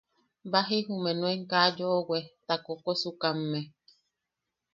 Baji jumeʼe nuen kaa yoʼowe, ta koʼokosukamme.